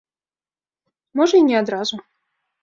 Можа і не адразу.